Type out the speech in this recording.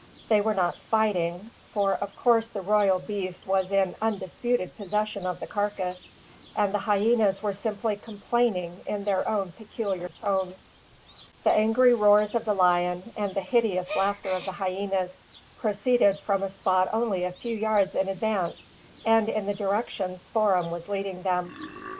They were not fighting; for of course the royal beast was in undisputed possession of the carcass, and the hyenas were simply complaining in their own peculiar tones. The angry roars of the lion, and the hideous laughter of the hyenas, proceeded from a spot only a few yards in advance, and in the direction Spoor'em was leading them.